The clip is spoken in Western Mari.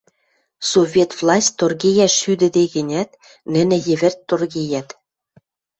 Совет власть торгейӓш шӱдӹде гӹнят, нӹнӹ йӹвӹрт торгейӓт.